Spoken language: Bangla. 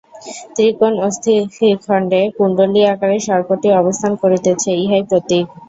ত্রিকোণ-অস্থিখণ্ডে কুণ্ডলী-আকারে সর্পটি অবস্থান করিতেছে, ইহাই প্রতীক।